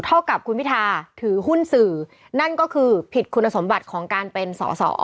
เท่ากับคุณพิทาถือหุ้นสื่อนั่นก็คือผิดคุณสมบัติของการเป็นสอสอ